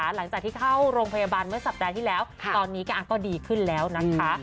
หลังจากที่เข้าโรงพยาบาลเมื่อสัปดาห์ที่แล้วตอนนี้ก็ดีขึ้นแล้วนะคะ